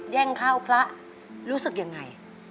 แย่งข้าวพระรู้สึกยังไง